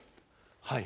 はい。